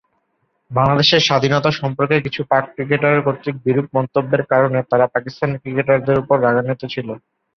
বাংলাদেশের স্বাধীনতা সম্পর্কে কিছু পাক ক্রিকেটার কর্তৃক বিরূপ মন্তব্যের কারণে তারা পাকিস্তানি ক্রিকেটারদের উপর রাগান্বিত ছিল।